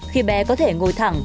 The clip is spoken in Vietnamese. khi bé có thể ngồi thẳng